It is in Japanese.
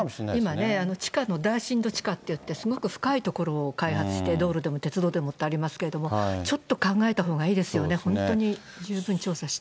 今ね、地下の大深度地下っていって、すごく深い所を開発して、道路でも鉄道でもってありますけれども、ちょっと考えたほうがいいですよね、本当に、十分調査して。